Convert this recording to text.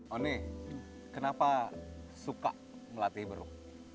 one kenapa suka melatih beruk